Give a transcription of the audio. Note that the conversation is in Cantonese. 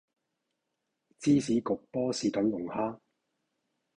芝士焗波士頓龍蝦